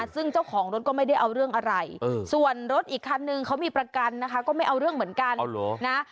ซึ่งเจ้าของรถก็ไม่ได้เอาเรื่องอะไรส่วนรถอีกคันนึงเขามีประกันนะคะก็ไม่เอาเรื่องเหมือนกันนะ